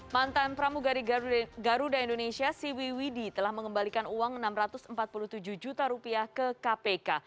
mantan pramugari garuda indonesia siwi widi telah mengembalikan uang rp enam ratus empat puluh tujuh juta rupiah ke kpk